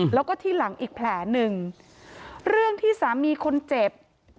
แล้วก็ที่หลังอีกแผลหนึ่งเรื่องที่สามีคนเจ็บ